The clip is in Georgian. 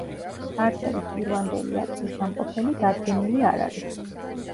წარწერის პირვანდელი ადგილსამყოფელი დადგენილი არ არის.